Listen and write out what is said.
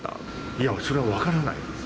いや、それは分からないです。